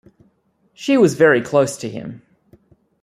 She was very close to him.